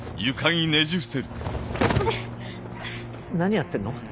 何やってんの？